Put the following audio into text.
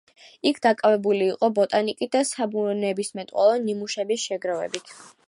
იქ დაკავებული იყო ბოტანიკით და საბუნებისმეტყველო ნიმუშების შეგროვებით.